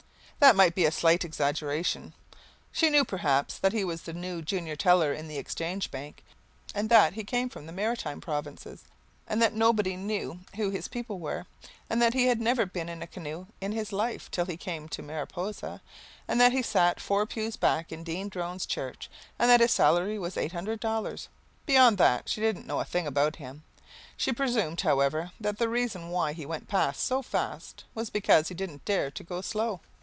That may be a slight exaggeration. She knew, perhaps, that he was the new junior teller in the Exchange Bank and that he came from the Maritime Provinces, and that nobody knew who his people were, and that he had never been in a canoe in his life till he came to Mariposa, and that he sat four pews back in Dean Drone's church, and that his salary was eight hundred dollars. Beyond that, she didn't know a thing about him. She presumed, however, that the reason why he went past so fast was because he didn't dare to go slow.